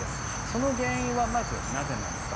その原因はまず、なぜなのか。